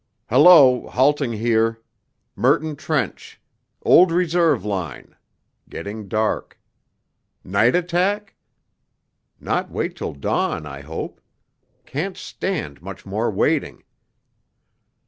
Hallo, halting here ... Merton trench ... old Reserve Line.... Getting dark ... night attack?... not wait till dawn, I hope ... can't stand much more waiting....